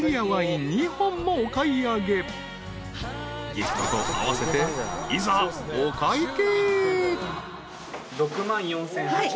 ［ギフトと合わせていざお会計］